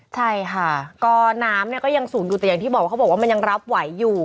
ใช่ค่ะก็น้ำเนี่ยก็ยังสูงอยู่แต่อย่างที่บอกว่าเขาบอกว่ามันยังรับไหวอยู่